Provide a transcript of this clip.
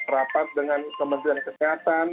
rapat dengan kementerian kesehatan